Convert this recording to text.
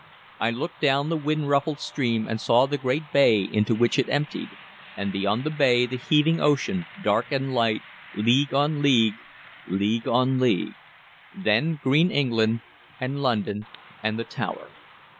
I looked down the wind ruffled stream, and saw the great bay into which it emptied, and beyond the bay the heaving ocean, dark and light, league on league, league on league; then green England, and London, and the Tower.